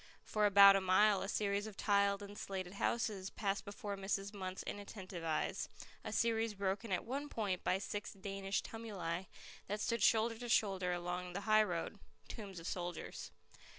For about a mile a series of tiled and slated houses passed before Mrs. Munt's inattentive eyes, a series broken at one point by six Danish tumuli that stood shoulder to shoulder along the highroad, tombs of soldiers.